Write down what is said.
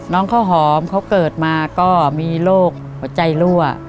น้องข้าวหอมเขาเกิดมาก็มีโรคหัวใจรั่ว